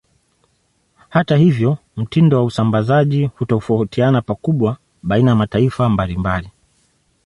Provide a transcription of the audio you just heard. Hata hivyo, mtindo wa usambazaji hutofautiana pakubwa baina ya mataifa mbalimbali.